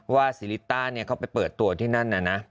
ซิริต้าเข้าไปเปิดตัวที่นั่นน่ะนะ